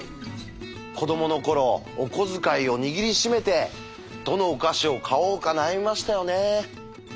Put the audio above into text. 子どもの頃お小遣いを握り締めてどのお菓子を買おうか悩みましたよね。